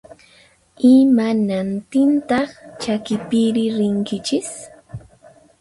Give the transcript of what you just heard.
Imanaqtintaq chakipiri rinkichis?